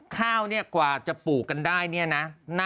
ข้าวเนี่ยกว่าจะปลูกกันได้เนี่ยนะ